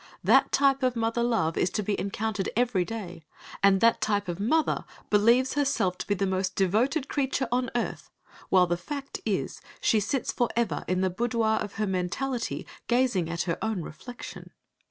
That type of mother love is to be encountered every day, and that type of mother believes herself to be the most devoted creature on earth; while the fact is, she sits for ever in the boudoir of her mentality, gazing at her own reflection.